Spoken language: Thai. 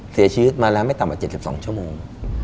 เสียชีวิตมาแล้วไม่ต่ำกว่า๗๒ชั่วโมง